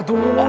aduh aduh aduh